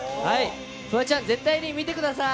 フワちゃん、絶対に見てください。